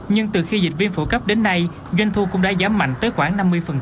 nhưng từ khi dịch viên phổ cập đến nay doanh thu cũng đã giảm mạnh tới khoảng năm mươi